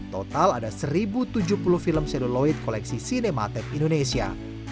total ada satu tujuh puluh film seluloid koleksi cinematec indonesia